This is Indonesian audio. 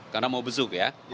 karena mau besuk ya